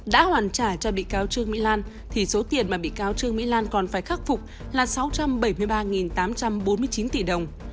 đã hoàn trả cho bị cáo trương mỹ lan thì số tiền mà bị cáo trương mỹ lan còn phải khắc phục là sáu trăm bảy mươi ba tám trăm bốn mươi chín tỷ đồng